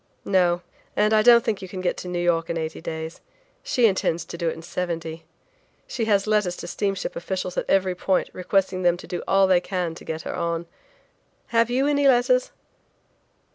"No, and I don't think you can get to New York in eighty days. She intends to do it in seventy. She has letters to steamship officials at every point requesting them to do all they can to get her on. Have you any letters?"